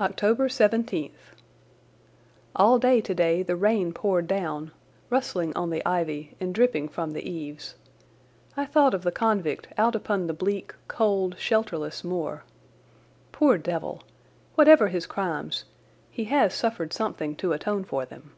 October 17_th_.—All day today the rain poured down, rustling on the ivy and dripping from the eaves. I thought of the convict out upon the bleak, cold, shelterless moor. Poor devil! Whatever his crimes, he has suffered something to atone for them.